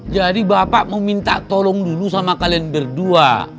jadi bapak mau minta tolong dulu sama kalian berdua